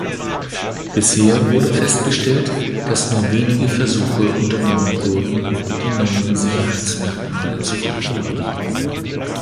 Bisher wurde festgestellt, dass nur wenige Versuche unternommen wurden, die neuen Sicherheitsmerkmale zu kopieren.